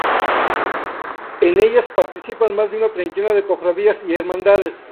En ellas participan más de una treintena de cofradías y hermandades.